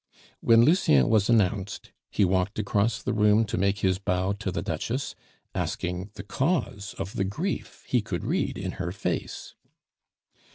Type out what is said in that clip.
When Lucien was announced he walked across the room to make his bow to the Duchess, asking the cause of the grief he could read in her face.